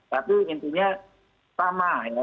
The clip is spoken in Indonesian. tapi intinya sama ya